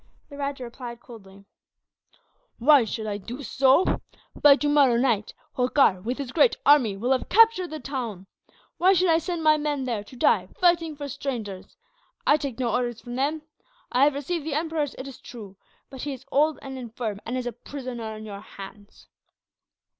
The rajah replied coldly: "Why should I do so? By tomorrow night Holkar, with his great army, will have captured the town. Why should I send my men there to die, fighting for strangers? I take no orders from them. I have received the Emperor's, it is true; but he is old and infirm, and is a prisoner in your hands."